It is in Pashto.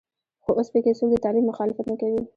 خو اوس په کې څوک د تعلیم مخالفت نه کوي.